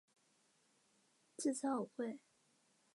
这次好贵